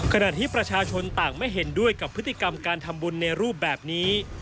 ขณะที่ประชาชนต่างไม่เห็นด้วยกับพฤติกรรมการทำบุญในรูปแบบนี้